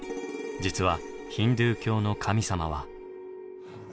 実はヒンドゥー教の神様は。